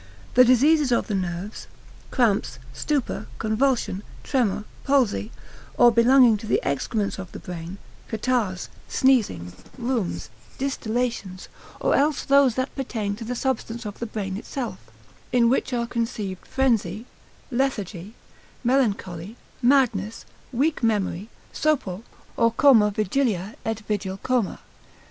The diseases of the nerves, cramps, stupor, convulsion, tremor, palsy: or belonging to the excrements of the brain, catarrhs, sneezing, rheums, distillations: or else those that pertain to the substance of the brain itself, in which are conceived frenzy, lethargy, melancholy, madness, weak memory, sopor, or Coma Vigilia et vigil Coma.